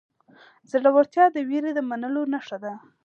زړورتیا د وېرې د منلو نښه ده.